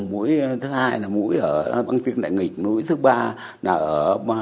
mũi thứ hai là mũi ở văn tuyết đại nghịch mũi thứ ba là ở